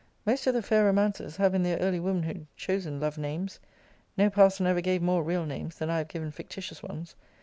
Most of the fair romancers have in their early womanhood chosen love names. No parson ever gave more real names, than I have given fictitious ones.